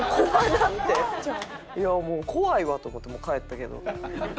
もう怖いわと思って帰ったけど。